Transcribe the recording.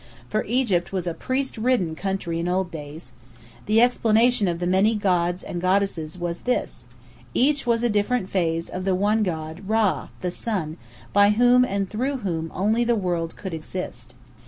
For Egypt was a priest ridden country in old days. The explanation of the many gods and goddesses was this: each was a different phase of the one God, Rã, the Sun, by whom and through whom only the world could exist.